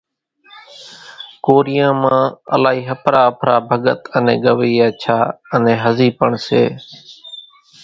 ڪوريان مان الائِي ۿڦرا ۿڦرا ڀڳت انين ڳوَيا ڇا انين هزِي پڻ سي۔